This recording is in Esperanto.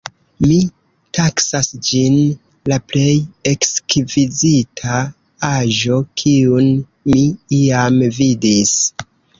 Mi taksas ĝin la plej ekskvizita aĵo kiun mi iam vidis.